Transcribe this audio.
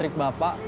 itu trik bapak